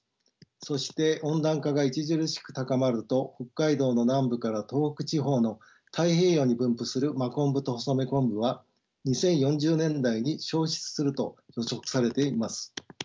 そして温暖化が著しく高まると北海道の南部から東北地方の太平洋に分布するマコンブとホソメコンブは２０４０年代に消失すると予測されています。